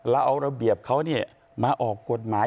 แล้วเอาระเบียบเขาเนี่ยมาออกกฎหมาย